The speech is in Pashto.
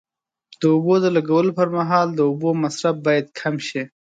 د اوبو د لګولو پر مهال د اوبو مصرف باید کم شي.